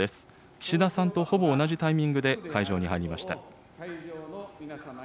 岸田さんとほぼ同じタイミングで会場に入りました。